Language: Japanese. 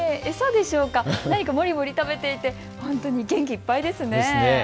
餌でしょうか、何かもりもり食べていて元気いっぱいですね。